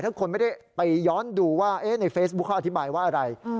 ถ้าคนไม่ได้ไปย้อนดูว่าในเฟซบุ๊คเขาอธิบายว่าอะไร